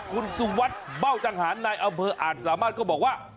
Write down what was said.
คุณสุวัสดิ์เบ้าจังหารนายอำเภออ่านสามารถก็บอกว่า